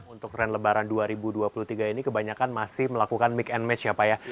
untuk tren lebaran dua ribu dua puluh tiga ini kebanyakan masih melakukan make and match ya pak ya